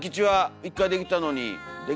１回できたのにか。